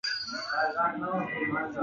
مینه قربانی غواړي.